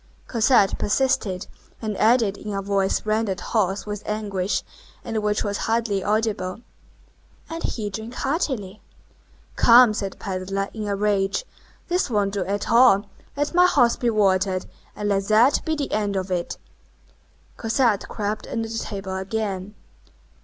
Cosette persisted, and added in a voice rendered hoarse with anguish, and which was hardly audible:— "And he drank heartily." "Come," said the pedler, in a rage, "this won't do at all, let my horse be watered, and let that be the end of it!" Cosette crept under the table again.